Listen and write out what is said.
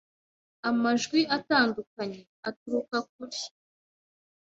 amajwi atandukanye aturuka kure.